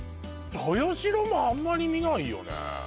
トヨシロもあんまり見ないよね